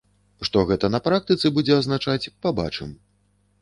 Што гэта на практыцы будзе азначаць, пабачым.